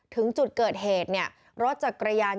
ถึงจุดเกิดเหตุรถจะกระยานยนต์